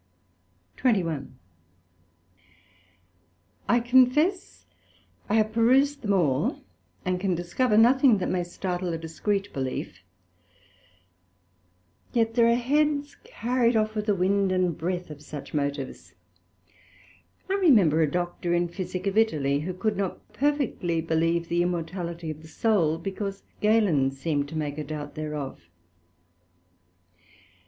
SECT.21 I confess I have perused them all, and can discover nothing that may startle a discreet belief; yet are there heads carried off with the Wind and breath of such motives. I remember a Doctor in Physick of Italy, who could not perfectly believe the immortality of the Soul, because Galen seemed to make a doubt thereof.